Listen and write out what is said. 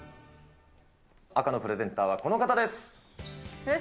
赤のプレゼンターはこの方です。